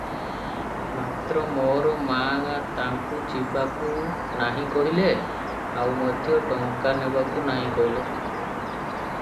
ମାତ୍ର ମୋର ମା ତାଙ୍କୁ ଯିବାକୁ ନାହିଁ କଲେ ଆଉ ମଧ୍ୟ ଟଙ୍କା ନେବାକୁ ନାହିଁ କଲେ ।